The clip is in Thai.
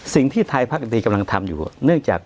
สิ่งที่ไทยพักดีกำลังทำอยู่เนื่องจาก